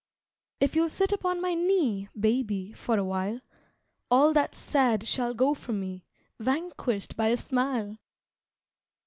If you'll sit upon my knee, Baby, for awhile, All that's sad shall go from me, Vanquish'd by a smile.